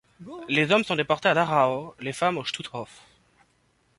Les hommes sont déportés à Dachau, les femmes au Stutthof.